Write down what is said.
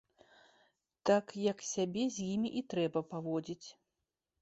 Так, як сябе з імі і трэба паводзіць.